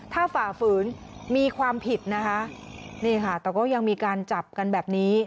ถ้าฝ่าฝืนมีความผิดนะคะนี่ค่ะแต่ก็ยังมีการจับกันแบบนี้